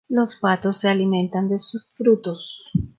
Los patos se alimentan de sus frutos.